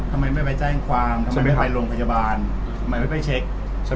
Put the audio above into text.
ทำไมไม่ไปแจ้งความทำไมไม่ไปโรงพยาบาลทำไมไม่ไปเช็คใช่ไหม